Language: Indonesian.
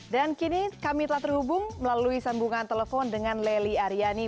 dan kini kami telah terhubung melalui sambungan telepon dengan lely aryani